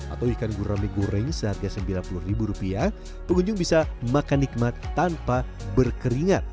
atau ikan gurame goreng seharga sembilan puluh pengunjung bisa makan nikmat tanpa berkeringat